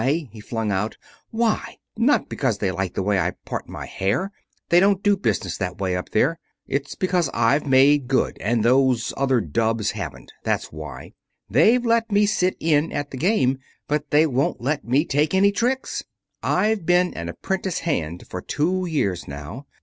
he flung out. "Why! Not because they like the way I part my hair. They don't do business that way up there. It's because I've made good, and those other dubs haven't. That's why. They've let me sit in at the game. But they won't let me take any tricks. I've been an apprentice hand for two years now.